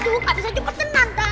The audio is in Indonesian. aduh aku saja kecenang kak